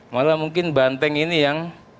malah mungkin banteng ini yang